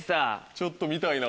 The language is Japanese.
ちょっと見たいな。